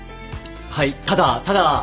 ただただ。